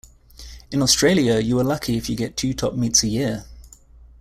In Australia you are lucky if you get two top meets a year.